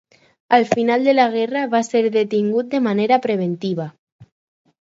Al final de la guerra va ser detingut de manera preventiva.